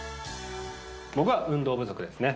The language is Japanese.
僕は運動不足ですね。